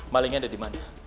malingnya ada di mana